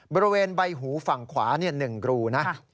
บริเวณใบหูฝั่งขวาเนี่ย๑บรูนะ